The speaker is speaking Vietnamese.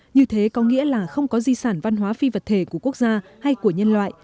như thế có nghĩa là không có di sản văn hóa phi vật thể của quốc gia hay của nhân loại